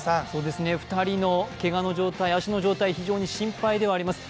２人のけがの状態、足の状態、非常に心配ではあります。